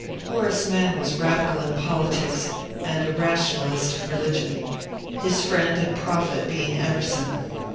Horace Mann was radical in politics And a rationalist in religion, his friend and prophet being Emerson.